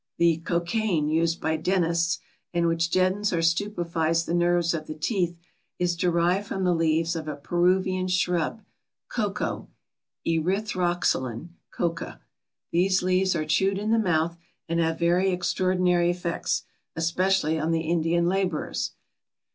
The cocaine used by dentists, and which deadens or stupefies the nerves of the teeth, is derived from the leaves of a Peruvian shrub, "Coca" (Erythroxylan Coca). These leaves are chewed in the mouth and have very extraordinary effects, especially on the Indian labourers.